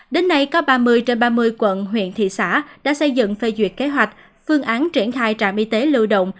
đến nay có ba mươi trên ba mươi quận huyện thị xã đã xây dựng phê duyệt kế hoạch phương án triển khai trạm y tế lưu động